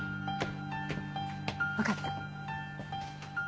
わかった。